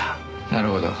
なるほど。